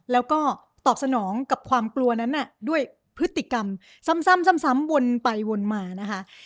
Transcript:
แล้วก็ตอบสนองกับความกลัวนั้นด้วยพฤติกรรมซ้ำวนไปวนมานะคะ